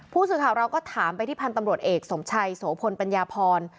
ผู้สื่อข่าวเราก็ถามไปที่พันธ์ตำรวจเอกสมชัยโสพลปัญญาพร